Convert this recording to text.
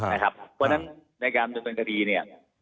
เพราะฉะนั้นในการดำเนินคดีเนี่ย